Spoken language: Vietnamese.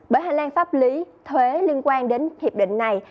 bởi hành lang pháp lý thuế liên quan đến hiệp định này